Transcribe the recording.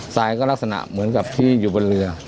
ทรายก็ลักษณะเหมือนกับที่อยู่บนเรือ